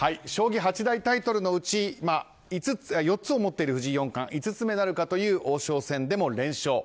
将棋八大タイトルのうち４つを持っている藤井四冠５つ目なるかという王将戦でも連勝。